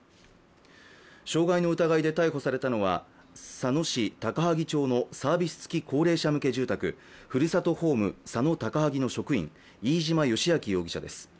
傷害の疑いで逮捕されたのは佐野市高萩町のサービス付き高齢者向け住宅ふるさとホーム佐野高萩の職員飯島義明容疑者です。